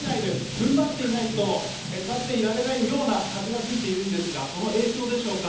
踏ん張っていないと立っていられないような風が吹いているんですがその影響でしょうか。